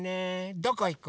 どこいく？